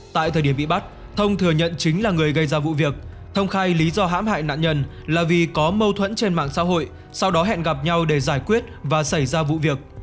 tại thời điểm bị bắt thông thừa nhận chính là người gây ra vụ việc thông khai lý do hãm hại nạn nhân là vì có mâu thuẫn trên mạng xã hội sau đó hẹn gặp nhau để giải quyết và xảy ra vụ việc